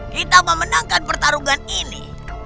kita memenangkan pertarungan ini